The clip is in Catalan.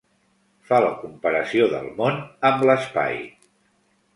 Fa la comparació del món amb l’espai.